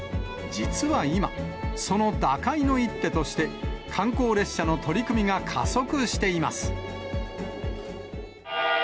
実は今、その打開の一手として、観光列車の取り組みが加速しています。